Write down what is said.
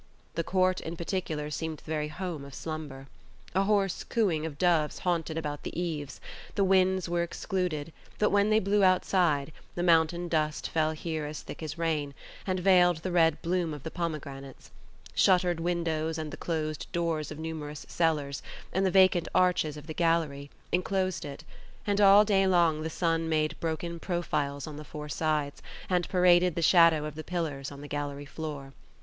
The court, in particular, seemed the very home of slumber. A hoarse cooing of doves haunted about the eaves; the winds were excluded, but when they blew outside, the mountain dust fell here as thick as rain, and veiled the red bloom of the pomegranates; shuttered windows and the closed doors of numerous cellars, and the vacant arches of the gallery, enclosed it; and all day long the sun made broken profiles on the four sides, and paraded the shadow of the pillars on the gallery floor.